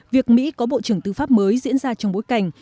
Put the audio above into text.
việc mỹ có bộ trưởng tư pháp mới diễn ra trong bối cảnh